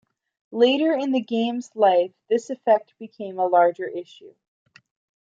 Later in the game's life, this effect became a larger issue.